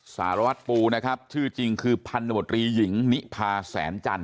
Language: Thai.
สารวัตรปูนะครับชื่อจริงคือพันธมตรีหญิงนิพาแสนจันท